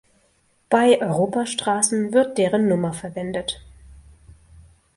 Bei Europastraßen wird deren Nummer verwendet.